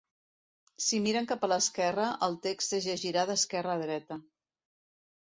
Si miren cap a l'esquerra, el text es llegirà d'esquerra a dreta.